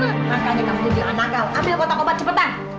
makanya kamu jadi anakal ambil kotak obat cepetan